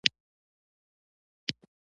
جميله شرم ونیول، پر چوکۍ باندي داخله شوه.